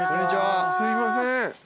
すいません。